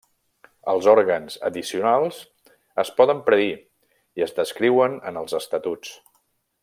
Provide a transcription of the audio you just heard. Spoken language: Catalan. Els òrgans addicionals es poden predir i es descriuen en els estatuts.